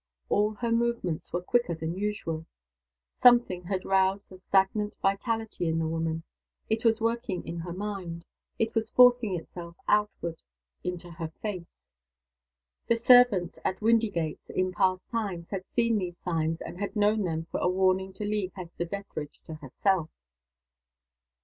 All her movements were quicker than usual. Something had roused the stagnant vitality in the woman it was working in her mind; it was forcing itself outward into her face. The servants at Windygates, in past times, had seen these signs, and had known them for a warning to leave Hester Dethridge to herself.